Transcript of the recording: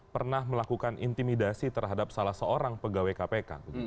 pernah melakukan intimidasi terhadap salah seorang pegawai kpk